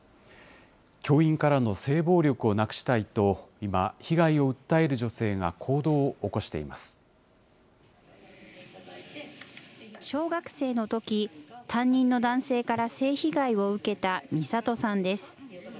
教員からの性暴力をなくしたいと、今、被害を訴える女性が行小学生のとき、担任の男性から性被害を受けたみさとさんです。